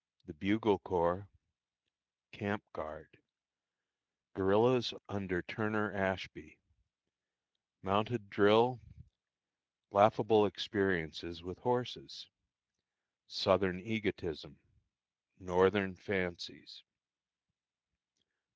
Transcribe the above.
The Bugle Corps. Camp Guard. Guerillas under Turner Ashby. Mounted Drill. Laughable Experiences with Horses. Southern Egotism. Northern Fancies.